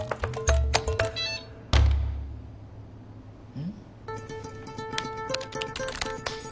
うん？